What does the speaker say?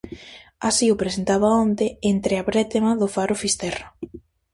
Así o presentaba onte entre a brétema do faro Fisterra.